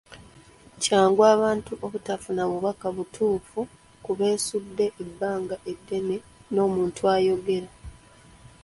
Kyangu abantu obutafuna bubaka butuufu ku beesudde ebbanga eddene n’omuntu ayogera.